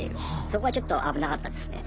そこはちょっと危なかったですね。